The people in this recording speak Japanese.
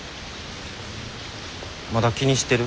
まだ気にしてる？